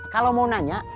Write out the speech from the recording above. kalau mau nanya